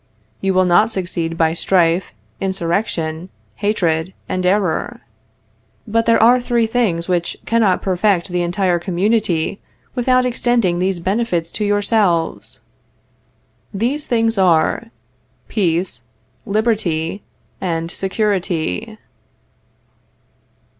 You will not succeed by strife, insurrection, hatred, and error. But there are three things which cannot perfect the entire community without extending these benefits to yourselves; these things are peace, liberty, and security.